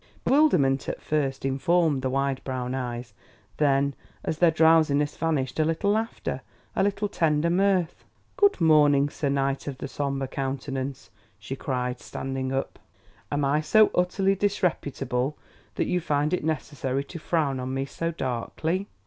Bewilderment at first informed the wide brown eyes; then, as their drowsiness vanished, a little laughter, a little tender mirth. "Good morning, Sir Knight of the Somber Countenance!" she cried, standing up. "Am I so utterly disreputable that you find it necessary to frown on me so darkly?"